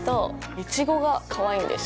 イチゴがかわいいんですよ。